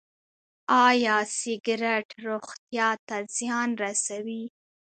ایا سګرټ روغتیا ته زیان رسوي؟